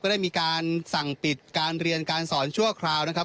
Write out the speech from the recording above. ได้มีการสั่งปิดการเรียนการสอนชั่วคราวนะครับ